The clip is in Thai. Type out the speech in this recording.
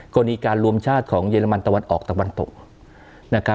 กฎีการรวมชาติของเยอเยลมันตะวันออกตะวันตก